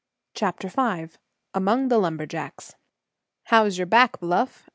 CHAPTER V AMONG THE LUMBERJACKS "How's your back, Bluff?"